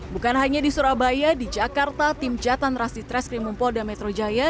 bukan hanya di surabaya di jakarta tim jatan ras di treskrimum polda metro jaya